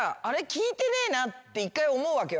聞いてねえなって１回思うわけよ。